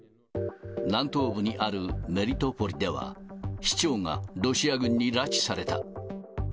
南東部にあるメリトポリでは、市長がロシア軍に拉致された。